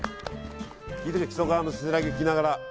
木曽川のせせらぎを聞きながら。